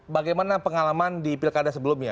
bagaimana pengalaman di pilkada sebelumnya